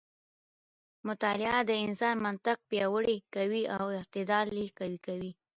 مطالعه د انسان منطق پیاوړی کوي او استدلال یې قوي کوي.